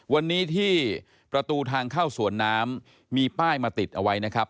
วันนี้ที่ประตูทางเข้าสวนน้ำมีป้ายมาติดเอาไว้นะครับ